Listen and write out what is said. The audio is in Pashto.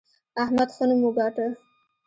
احمد ښه نوم وګاټه.